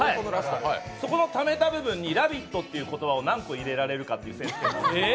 そこのタメた部分に「ラヴィット」という言葉を何個入れられるかという。